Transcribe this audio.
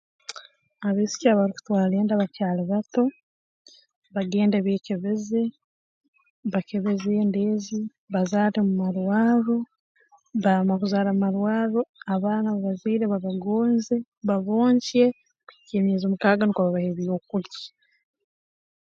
Abaisiki abarukutwara enda bakyali bato bagende beekebeze bakebeze enda ezi bazarre mu marwarro baraamara kuzarra mu marwarro abaana aba bazaire babagonze babonkye kuhikya emyezi mukaaga nukwo babahe ebyokulya